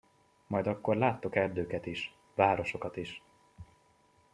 Majd akkor láttok erdőket is, városokat is.